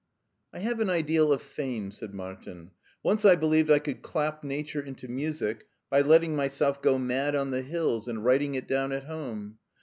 " I have an ideal of fame," said Martifi. " Once I believed I could clap nature into music by letting myself go mad on the hills and writing it down at home.